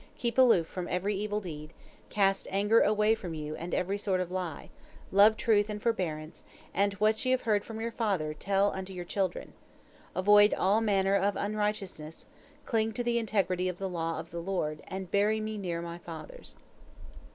Keep aloof from every evil deed, cast anger away from you and every sort of lie, love truth and forbearance, and what ye have heard from your father, tell unto your children. Avoid all manner of unrighteousness, cling to the integrity of the law of the Lord, and bury me near my fathers."